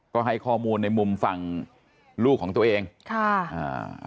ก็ให้ข้อมูลในมุมฝั่งลูกของตัวเองค่ะอ่า